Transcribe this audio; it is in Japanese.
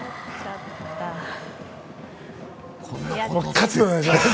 喝、お願いします。